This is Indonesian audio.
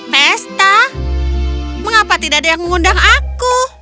pesta mengapa tidak ada yang mengundang aku